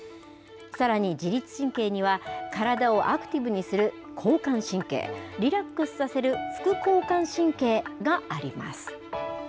さらに自律神経には、体をアクティブにする交感神経、リラックスさせる副交感神経があります。